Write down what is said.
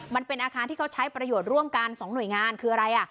มันเป็นอาคารที่เขาใช้ประโยชน์ร่วมกัน๒หน่วยงานคืออะไร